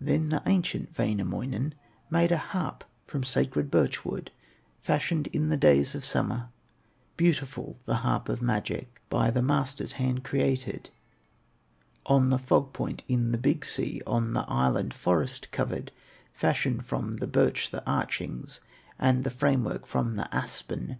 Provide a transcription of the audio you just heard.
Then the ancient Wainamoinen Made a harp from sacred birch wood, Fashioned in the days of summer, Beautiful the harp of magic, By the master's hand created On the fog point in the Big Sea, On the island forest covered, Fashioned from the birch the archings, And the frame work from the aspen.